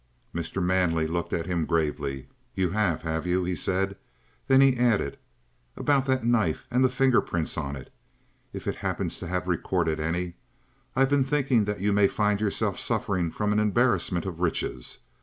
Mr. Manley looked at him gravely: "You have, have you?" he said. Then he added: "About that knife and the finger prints on it, if it happens to have recorded any: I've been thinking that you may find yourself suffering from an embarrassment of riches.